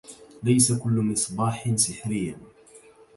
ليس كل مصباح سحريا.